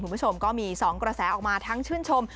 คุณผู้ชมก็มี๒กระแสออกมาทั้งชื่นชม